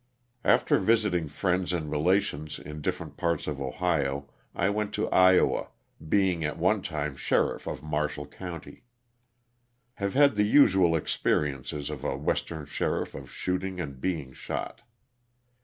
After visiting friends and relations in different parts of Ohio I went to Iowa, being at one time sheriff of Marshall county. Have had the usual experience of a western sheriff of shooting and being shot.